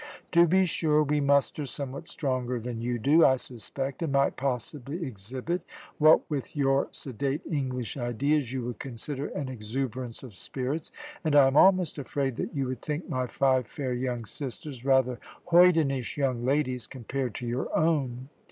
To be sure we muster somewhat stronger than you do, I suspect, and, might possibly exhibit, what with your sedate English ideas you would consider an exuberance of spirits, and I am almost afraid that you would think my five fair young sisters rather hoydenish young ladies, compared to your own.